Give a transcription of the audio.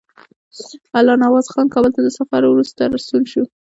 الله نواز خان کابل ته له سفر وروسته ستون شو.